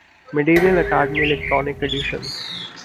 Medieval Academy Electronic Editions.